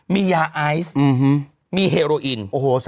มียาไอซ์มีเฮโรอิน